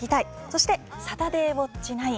そして「サタデーウオッチ９」。